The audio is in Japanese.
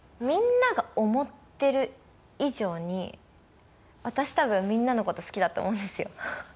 みんなが思ってる以上に私たぶんみんなのこと好きだと思うんですよ